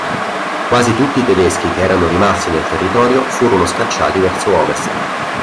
Quasi tutti i tedeschi che erano rimasti nel territorio furono scacciati verso ovest.